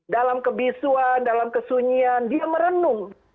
dalam kebisuan dalam kesunyian dia merenung